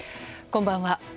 こんばんは。